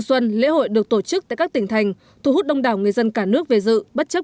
xuân lễ hội được tổ chức tại các tỉnh thành thu hút đông đảo người dân cả nước về dự bất chấp